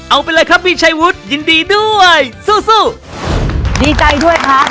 เอาไปเลยครับพี่ชัยวุฒิยินดีด้วยสู้สู้ดีใจด้วยครับ